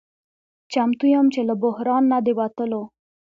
چمتو یم چې له بحران نه د وتلو